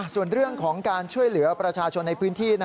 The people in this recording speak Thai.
ส่วนเรื่องของการช่วยเหลือประชาชนในพื้นที่